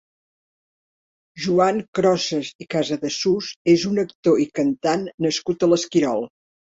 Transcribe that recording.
Joan Crosas i Casadesús és un actor i cantant nascut a l'Esquirol.